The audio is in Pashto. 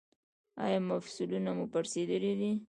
ایا مفصلونه مو پړسیدلي دي؟